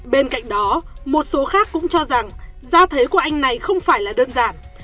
bên cạnh đó một số khác cũng cho rằng gia thế của anh này không phải là đơn giản